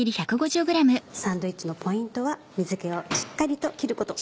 サンドイッチのポイントは水気をしっかりと切ること。